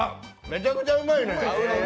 めちゃくちゃうまい。